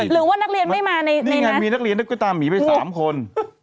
หรือว่านักเรียนไม่มาในนั้นนี่ไงมีนักเรียนนุ๊กตามีไม่สามคน